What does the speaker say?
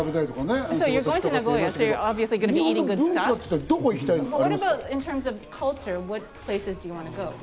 日本の文化っていったら、どこに行きたいのかな？